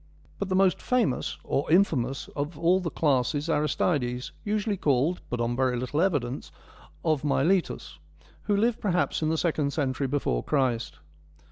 But the most famous, or infamous, of all the class is Aristides, usually called, but on very little evidence, 1 of Miletus,' who lived perhaps in the second century before Christ.